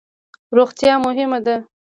روغتیا مهمه ده